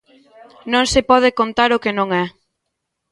Non se pode contar o que non é.